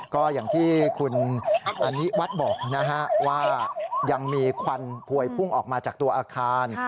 ก็อย่างที่คุณอนิวัฒน์บอกว่ายังมีควันพวยพุ่งออกมาจากตัวอาคาร